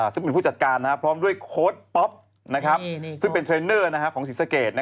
ซึ่งเป็นผู้จัดการพร้อมด้วยโค้ดป๊อปซึ่งเป็นเทรนเนอร์ของศรีสะเกด